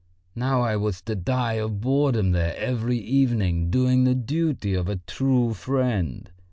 Now I was to die of boredom there every evening, doing the duty of a true friend!